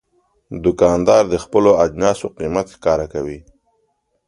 دوکاندار د خپلو اجناسو قیمت ښکاره کوي.